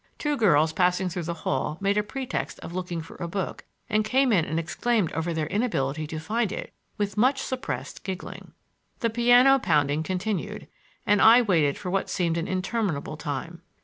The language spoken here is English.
Two girls passing through the hall made a pretext of looking for a book and came in and exclaimed over their inability to find it with much suppressed giggling. The piano pounding continued and I waited for what seemed an interminable time.